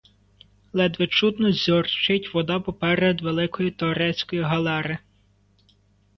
Ледве чутно дзюрчить вода поперед великої турецької галери.